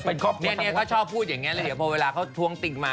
นี่เขาชอบพูดอย่างงี้เลยอ่ะเพราะเวลาเขาถวงติ๊งมา